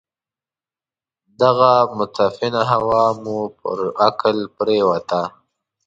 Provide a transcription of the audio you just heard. دغه متعفنه هوا مو پر عقل پرېوته ده.